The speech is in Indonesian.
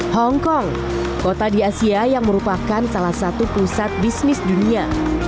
hongkong kota di asia yang merupakan salah satu pusat bisnis dunia